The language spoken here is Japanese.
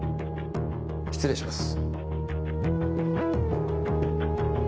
失礼します